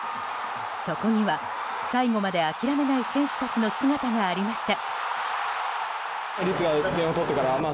そこには、最後まで諦めない選手たちの姿がありました。